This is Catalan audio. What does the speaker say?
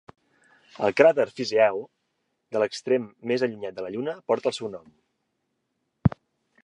El cràter Fizeau de l'extrem més allunyat de la Lluna porta el seu nom.